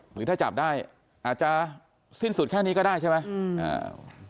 หรือถ้าจับได้อาจจะสิ้นสุดแค่นี้ก็ได้ใช่ไหมอืมอ่า